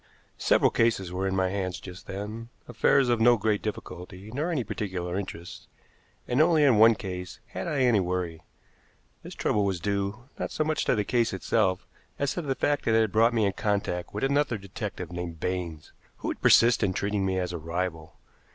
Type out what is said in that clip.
Several cases were in my hands just then affairs of no great difficulty nor any particular interest and only in one case had I had any worry. This trouble was due, not so much to the case itself as to the fact that it had brought me in contact with another detective named Baines, who would persist in treating me as a rival.